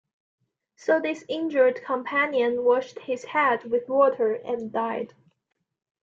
So this injured companion washed his head with water and died.